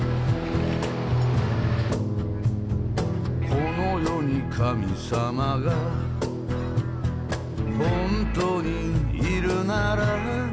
「この世に神様が本当にいるなら」